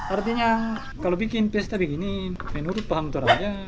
artinya kalau bikin pesta begini menurut paham utara aja